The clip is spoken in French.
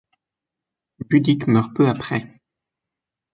Budic meurt peu après.